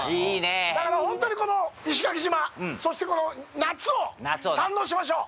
だから、本当にこの石垣島、そして、この夏を堪能しましょう。